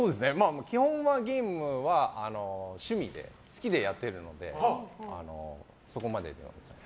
基本はゲームは趣味で好きでやっているのでそこまでですね。